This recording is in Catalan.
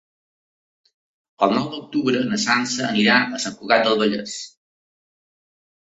El nou d'octubre na Sança irà a Sant Cugat del Vallès.